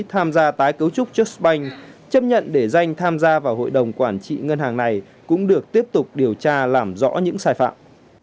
tham gia tái cấu trúc chất banh chấp nhận để danh tham gia vào hội đồng quản trị ngân hàng này cũng được tiếp tục điều tra làm rõ những sai phạm